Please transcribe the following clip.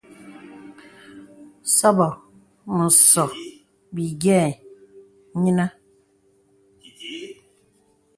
Sɔbɔ̄ mə sɔ̄ bìyɛ yìnə̀.